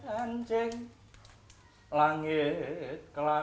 pematangan yang jelas agar nya tidak ketinggalan